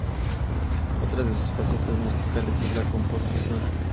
Otra de sus facetas musicales es la Composición.